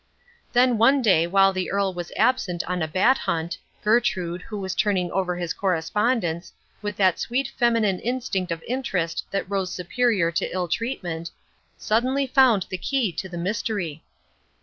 Then one day while the Earl was absent on a bat hunt, Gertrude, who was turning over his correspondence, with that sweet feminine instinct of interest that rose superior to ill treatment, suddenly found the key to the mystery.